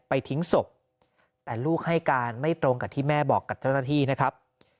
ทิ้งศพแต่ลูกให้การไม่ตรงกับที่แม่บอกกับเจ้าหน้าที่นะครับ